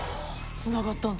つながったんだ。